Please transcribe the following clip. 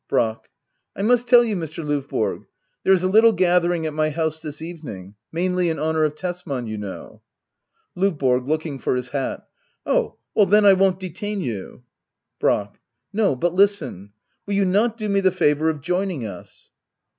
Brack. I must tell you, Mr. Lovborg— there is a little gathering at my house this evening — mainly in honour of Tesman, you know L&VBORO. [Looking for his hat.] Oh — ^then I won't detain you Brack. No, but listen — will you not do me the favour of joining us?